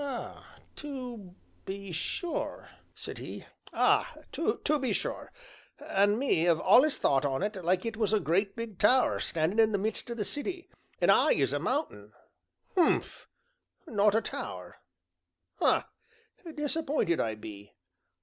"Ah to be sure," said he, "ah, to be sure! And me 'ave allus thought on it like it was a great big tower standin' in the midst o' the city, as 'igh as a mountain. Humph not a tower ha! disapp'inted I be.